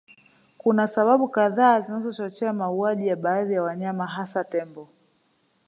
Kuna sababu kadhaa zinazochochea mauaji ya baadhi ya wanyama hasa Tembo